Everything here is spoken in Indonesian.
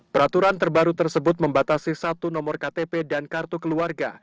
peraturan terbaru tersebut membatasi satu nomor ktp dan kartu keluarga